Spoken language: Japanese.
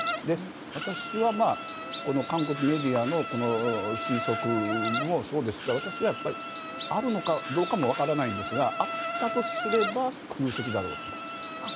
私は、韓国メディアの推測もそうですが私は、あるのかどうかも分からないんですがあったとすれば空席だろうと。